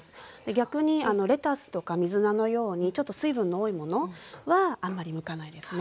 逆にレタスとか水菜のようにちょっと水分の多いものはあんまり向かないですね。